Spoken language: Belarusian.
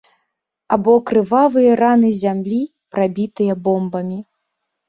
Або крывавыя раны зямлі, прабітыя бомбамі.